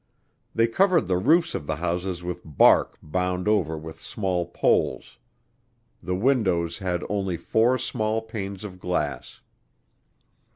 They covered the roofs of the houses with bark bound over with small poles. The windows had only four small panes of glass.